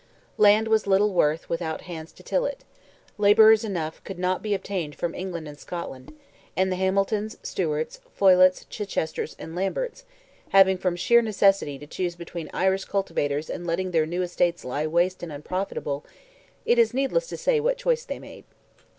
Land was little worth without hands to till it; labourers enough could not be obtained from England and Scotland, and the Hamiltons, Stewarts, Folliots, Chichesters, and Lamberts, having, from sheer necessity, to choose between Irish cultivators and letting their new estates lie waste and unprofitable, it is needless to say what choice they made.